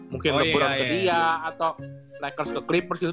mungkin liburan ke dia atau lakers ke clippers gitu